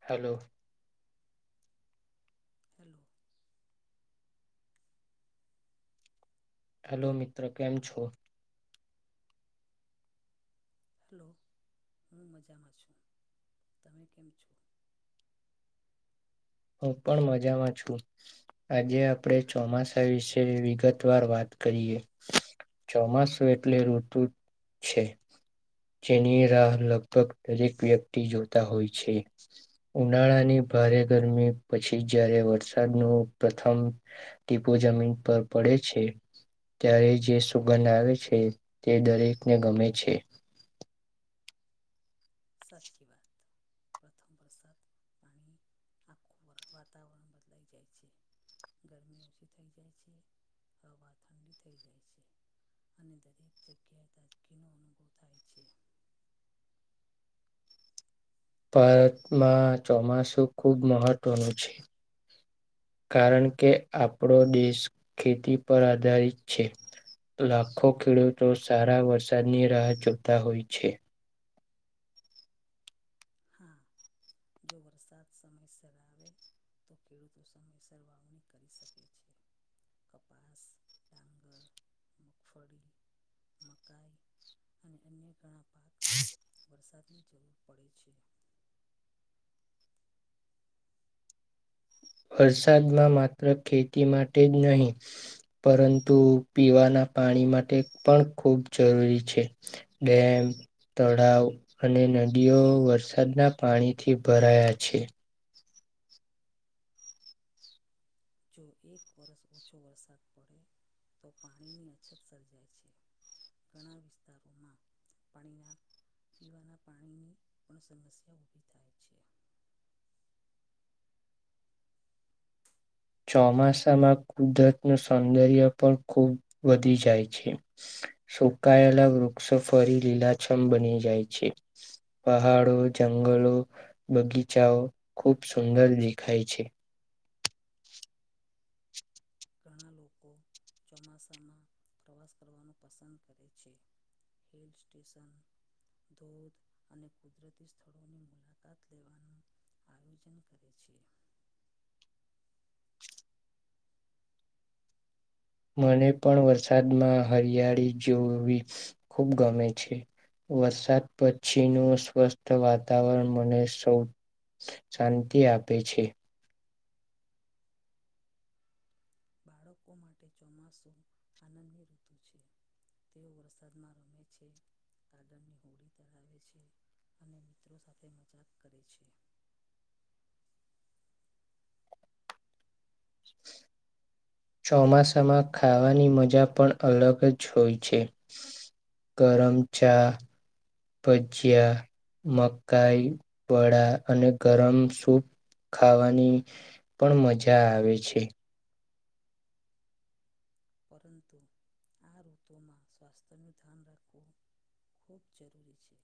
Hello. Hello. Hello મિત્રો કેમ છો? હલો હું મજામાં છું તમે કેમ છો? હું પણ મજામાં છું. આજે આપણેે ચોમાસા વિશે વિગત વાર વાત કરીએ. ચોમાસુ એટલે ઋતુ છે. જેની રાહ લગભગ દરેક વ્યક્તિ જોતા હોય છે. ઉનાળાની ભારે ગરમી પછી જયારે વરસાદનું પ્રથમ ટીપો જમીન પર પડે છે. ત્યારે જે સુગંધ આવે છે તે દરેકને ગમે છે. સાચી વાત. પ્રથમ વરસાદ પાણી આખું વાતાવરણ બદલાઈ જાય છે. ગરમી ઓછી થઈ જાય છે, હવા ઠંડી થઈ જાય છે. અને દરેક જગ્યાએ ગદકીનો અનુભવ થાય છે. ભારતમાં ચોમાસું ખુબ મહત્વનું છે. કારણ કે આપણો દેશ ખેતી પર આધારિત છે. લાખો ખેડૂતો સારા વરસાદની રાહ જોતા હોય છે. હા. જો વરસાદ સમયસર આવે, તો ખેડૂતો સમયસર વાવણી કરી શકે છે. કપાસ, ડાંગર, મગફળી, મકાઈ. અને અન્ય ઘણા પાકને વરસાદની જરૂર પડે છે. વરસાદમાં માત્ર ખેતી માટે જ નહી. પરંતુ પીવાના પાણી માટે પણ ખૂબ જરૂરી છે. ડેમ. તળાવ અને નદીઓ વરસાદના પાણીથી ભરાયા છે. જો એક વરસ ઓછો વરસાદ પડે, તો પાણીની અછત સર્જાય છે. ઘણા વિસ્તારોમાં, પાણીના પીવાના પાણીની પણ સમસ્યા ઊભી થાય છે. ચોમાસામાં કુદરત નું સૌંદર્ય પણ ખુબ વધી જાય છે. સુકાયેલા વૃક્ષો ફરી લીલાછમ બની જાય છે. પહાડો જંગલો બગીચાઓ, ખુબ સુંદર દેખાય છે. ઘણા લોકો ચોમાસામાં પ્રવાસ કરવાનું પસંદ કરે છે. હિલ સ્ટેશન ધૂધ અને કુદરતી સ્થળોની મુલાકાત લેવાનું આયોજન કરે છે. મને પણ વરસાદમાં હરિયાળી જોવી, ખૂબ ગમે છે. વરસાદ પછી નું સ્વસ્થ વાતાવરણ મને સૌ શાંતિ આપે છે. બાળકો માટે ચોમાસું આનંદની ઋતુ છે. તેવ પ્રસાદમાં રમે છે. ગડરની હોડી તરાવે છે, અને મિત્રો સાથે મજાક કરે છે. [inaudible] ચોમાસામાં ખાવાની મજા પણ અલગ જ હોય છે. કરમચા. ભજીયા, મકાઈ, વળ, અને ગરમ સૂપ ખાવાની, પણ મજા આવે છે. પરંતુ, આ ઋતુમાં સ્વાસ્થ્યનું ધ્યાન રાખવું બહુબ જરૂરી છે.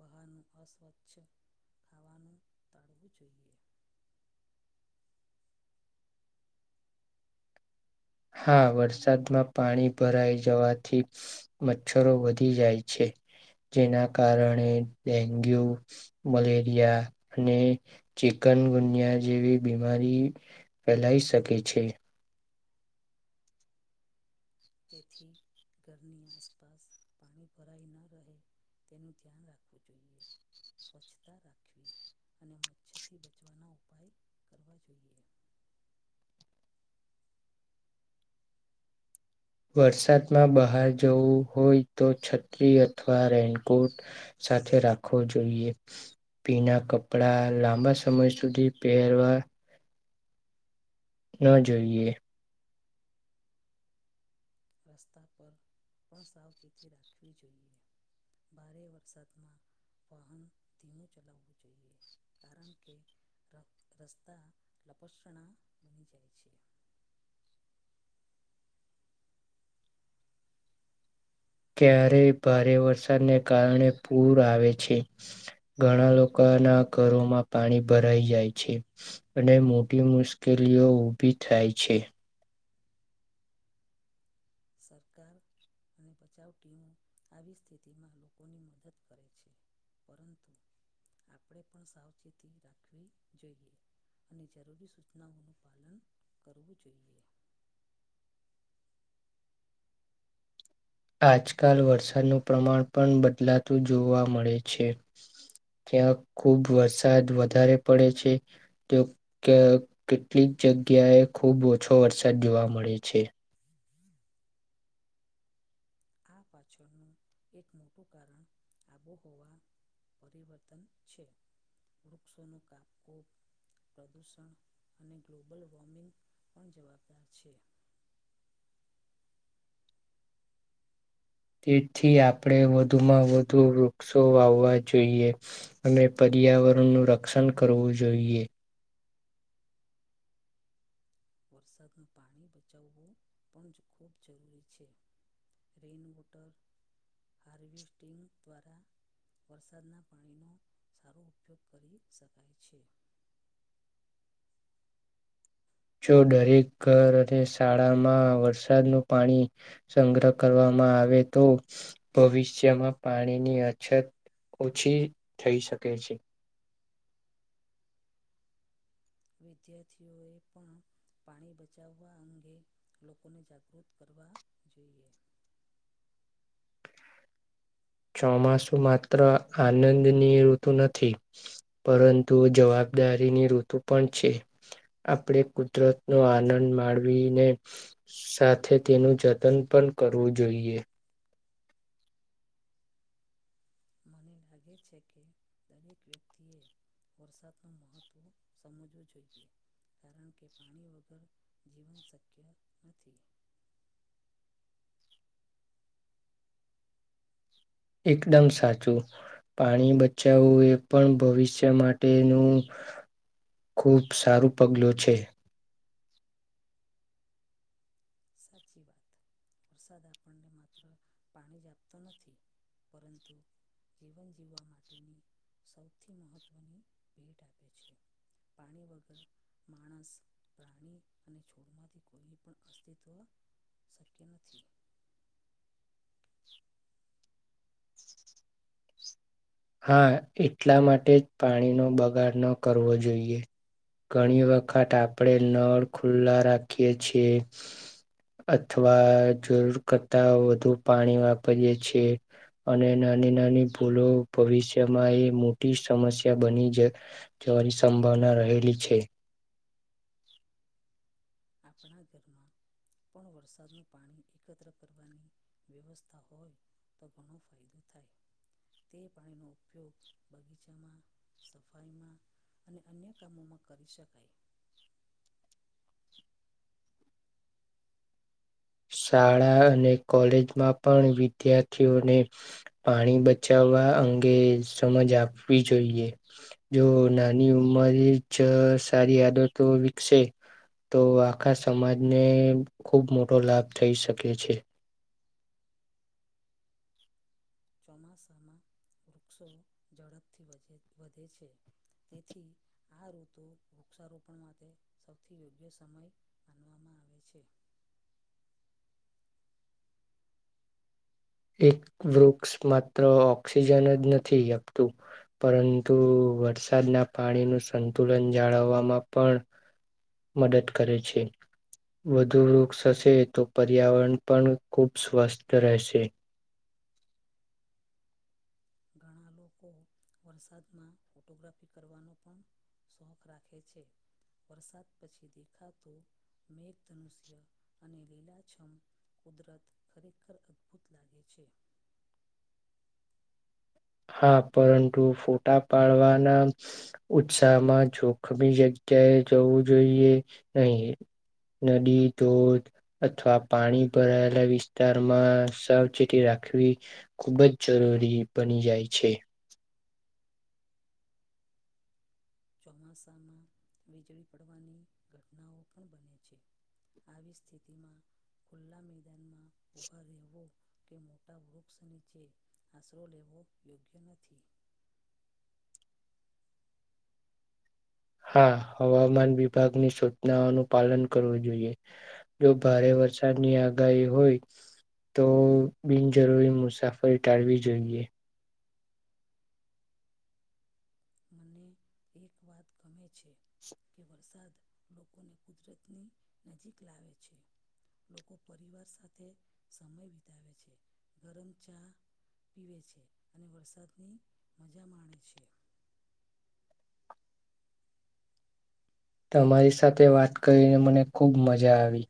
બહાનું અસ્વચ્છ, ખાવાનું ટાળવું જોઈએ. હા વરસાદમાં પાણી ભરાઈ જવાથી. મચ્છરો વધી જાય છે, જેના કારણે ડેન્ગ્યુ મલેરિયા, અને ચિકન ગુનિયા જેવી બીમારી ફેલાઈ સકીકે છે. તેથી ઘરની આસપાસ પાણી ભરાઈ ન રહે તેનું ધ્યાન રાખવું જોઈએ. સ્વચ્છતા રાખવી, અને મચ્છરથી બચવાના ઉપાય કરવા જોઈએ. વરસાદમાં બહાર જવું હોય તો છત્રી અથવા રેનકોટ. સાથે રાખવો જોઈએ. પીના કપડા લાંબા સમય સુધી પહેરવા ના જોઈએ. રસ્તા પર પણ સાવચેતી રાખવી જોઈએ ભારે વરસાદમાં વાહન ધીમું ચલાવવું જોઈએ કારણ કે ર રસ્તા લપસણા બની જાય છે ક્યારે ભારે વરસાદને કારણે પૂર આવે છે ઘણા લોકો ના ઘરોમાં પાણી ભરાઈ જાય છે અને મોટી મુશ્કેલીઓ ઊભી થાય છે સરકાર અને બચાવ ટીમો આવી સ્થિતિમાં લોકોની મદદ કરે છે પરંતુ આપણે પણ સાવચેતી રાખવી જોઈએ અને જરૂરી સૂચનાઓનું પાલન કરવું જોઈએ આજકાલ વરસાદનું પ્રમાણ પણ બદલાતું જોવા મળે છે ત્યાં ખુબ વરસાદ વધારે પડે છે તો કે કેટલીક જગ્યાએ ખુબ ઓછો વરસાદ જોવા મળે છે હમ આ પાછળનું એક મોટું કારણ આબોહવા પરિવર્તન છે વૃક્ષોનું કાપવુ પ્રદૂષણ અને ગ્લોબલ વોર્મિંગ પણ જવાબદાર છે તેથી આપણે વધુમાં વધુ વૃક્ષો વાવવા જોઈએ અને પર્યાવરણ નું રક્ષણ કરવું જોઈએ વરસાદનું પાણી બચાવવું પણ જ ખૂબ જરૂરી છે રેઇન વોટર હારવેિસ્ટિંગ દ્વારા વરસાદના પાણીનો સારો ઉપયોગ કરી શકાય છે જો દરેક ઘર અને શાળામાં વરસાદનું પાણી સંગ્રહ કરવામાં આવે તો ભવિષ્યમાં પાણીની અછત ઓછી થઈ શકે છે, વિદ્યાર્થીઓએ પણ પાણી બચાવવા અંગે લોકોને જાગૃત કરવા જોઈએ, ચોમાસું માત્ર આનંદની ઋતુ નથી પરંતુ જવાબદારીની ઋતુ પણ છે, આપણે કુદરતનો આનંદ માણવીને સાથે તેનું જતન પણ કરવું જોઈએ, મને લાગે છે કે દરેક વ્યક્તિએ વરસાદનું મહત્ત્વ સમજવું જોઈએ, કારણકે, પાણી વગર જીવન શક્ય નથી. એકદમ સાચું, પાણી બચાવવું એ પણ ભવિષ્ય માટેનું ખુબ સારું પગલું છે. સાચી વાત વરસાદ આપણને માત્ર પાણીજ આપતો નથી પરંતુ જીવન જીવવા માટેની સૌથી મહત્ત્વની ભેટ આપે છે પાણી વગર માણસ પ્રાણી અને છોડમાંથી કોઈ પણ અસર અસ્તિત્વ શક્ય નથી હા, એટલા માટે જ પાણીનો બગાડ ન કરવો જોઈએ. ઘણી વખત આપણેે નળ ખુલ્લા રાખીએ છીએ અથવા જરૂર કરતાં વધુ પાણી વાપરીએે છીએ, અને નાની- નાની ભૂલો ભવિષ્યમાંએ મોટી સમસ્યા બનીજ જવાની સંભાવના રહેલી છે. આપણા ઘરમાં, પણ વરસાદનું પાણી એકત્ર કરવાની વ્યવસ્થા હોય, તો ઘણો ફાયદો થાય તે પાણીનો ઉપયોગ બગીચામાં સફાઈમાં અને અન્ય કામોમાં કરી શકાય. શાળા અને કોલેજમાં પણ વિદ્યાર્થીઓને પાણી બચાવવા અંગે સમજ આપવી જોઈએ. જો નાની ઉંમર જ સારી આદતો વિકસે. તો આખા સમાજને ખુબ મોટો લાભ થઈ શકે છે. ચોમાસામાં વૃક્ષો ઝડપથી વધે વધે છે, તેથી આ ઋતુ વૃક્ષારોપણ માટે સૌથી યોગ્ય સમય માનવામાં આવે છે. એક વૃક્ષ માત્ર ઓક્સિજન જ નથી આપતું. પરંતુ વરસાદના પાણીનું સંતુલન જાળવવામાં પણ મદદ કરે છે. વધુ વૃક્ષ હશે, તો પર્યાવરણ પણ ખૂબ સ્વસ્થ રહેશે. ઘણા લોકો વરસાદમાં ફોટોગ્રાફી કરવાનો પણ. શોખ રાખે છે. વરસાદ પછી દેખાતો, મેઘધનુષ્ય અને લીલાછમ. કુદરત ખરેખર અદ્ભુત લાગે છે. હા, પરંતુ ફોટા પાડવાના. ઉત્સાહમાં જોખમી જગ્યાએ જવું જોઈએ નહીં. નદી, ધોધ. અથવા પાણી ભરાયેલા વિસ્તારમાં સાવચેતી રાખવી. ખુબ જ જરૂરી બની જાય છે. ચોમાસામાં વીજળી પડવાની ઘટનાઓ પણ બને છે. આવી સ્થિતિમાં ખુલ્લા મેદાનમાં ઊભા રહેવુ કે, મોટા વૃક્ષ નીચે આશરો લેવો યોગ્ય નથી. હા, હવામાન વિભાગની સૂચનાઓનું પાલન કરવું જોઈએ. જો ભારે વરસાદની આગાહી હોય. તો બિનજરૂરી મુસાફરી ટાળવી જોઈએ. મને એક વાત ગમે છે. કે વરસાદ લોકોને કુદરતની નજીક લાવે છે. લોકો પરિવાર સાથે સમય વિતાવે છે, ગરમ ચા. પીવે છે, અને વરસાદની મજા માણે છે. તમારી સાથે વાત કરીને, મને ખુબ મજા આવી.